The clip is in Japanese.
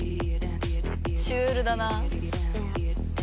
シュールだな。